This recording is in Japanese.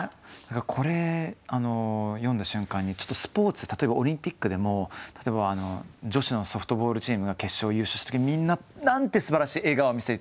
これ読んだ瞬間にスポーツ例えばオリンピックでも女子のソフトボールチームが決勝優勝した時みんななんてすばらしい笑顔を見せて。